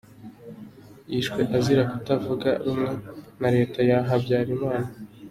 Yishwe azira kutavuga rumwe na Leta ya Habyarimana.